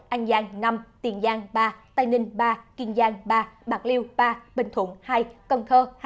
an giang năm tiền giang ba tây ninh ba kiên giang ba bạc liêu ba bình thuận hai cần thơ